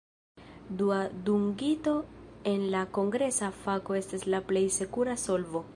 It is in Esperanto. Dua dungito en la kongresa fako estas la plej sekura solvo.